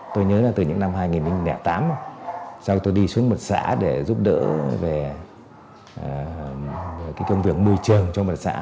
tôi nhớ là từ những năm hai nghìn tám sau đó tôi đi xuống một xã để giúp đỡ về công việc mùi trường cho một xã